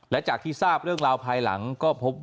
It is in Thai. และจากที่ทราบเรื่องราวภายหลังก็พบ